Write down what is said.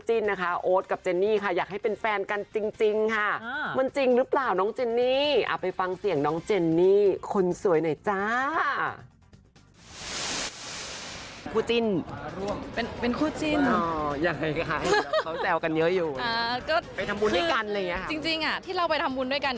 คือเขาชวนกันไปทำบุญด้วยกันบ่อยน้องเชนนี่นะคะ